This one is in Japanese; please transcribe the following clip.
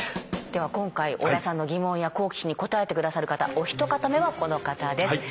では今回織田さんの疑問や好奇心に答えて下さる方お一方目はこの方です。